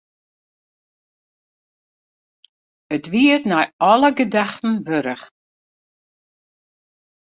It wie it nei alle gedachten wurdich.